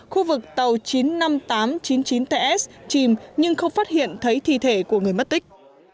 khu vực tàu chín mươi năm nghìn tám trăm chín mươi chín ts chìm nhưng không phát hiện thấy thi thể của người mất tích